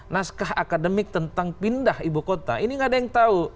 naskah akademik tentang pindah ibu kota ini nggak ada yang tahu